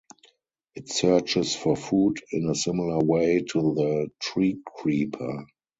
It searches for food in a similar way to the treecreeper.